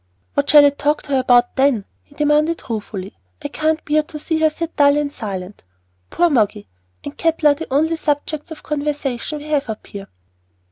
"What shall I talk to her about, then?" he demanded ruefully. "I can't bear to see her sit so dull and silent. Poor Moggy! and cattle are the only subjects of conversation that we have up here."